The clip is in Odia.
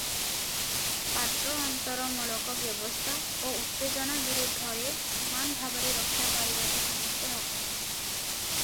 ପାତ୍ରଅନ୍ତରମୂଳକ ବ୍ୟବସ୍ଥା ଓ ଉତ୍ତେଜନା ବିରୁଦ୍ଧରେ ସମାନ ଭାବରେ ରକ୍ଷା ପାଇବାକୁ ସମସ୍ତେ ହକଦାର ।